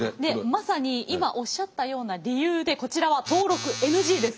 まさに今おっしゃったような理由でこちらは登録ＮＧです。